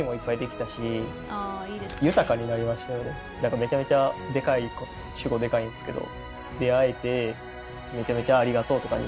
なんかめちゃめちゃ主語でかいんですけど。